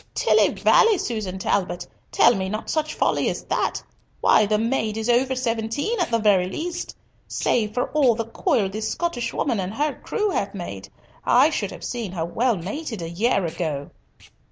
"Tilly vally, Susan Talbot, tell me not such folly as that. Why, the maid is over seventeen at the very least! Save for all the coil this Scottish woman and her crew have made, I should have seen her well mated a year ago."